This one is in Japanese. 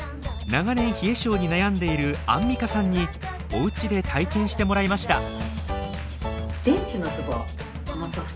長年冷え症に悩んでいるアンミカさんにお家で体験してもらいました。